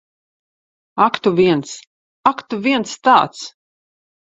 Ak tu viens. Ak, tu viens tāds!